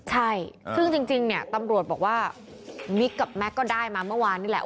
ใช่ซึ่งจริงเนี่ยตำรวจบอกว่ามิกกับแม็กซ์ก็ได้มาเมื่อวานนี่แหละ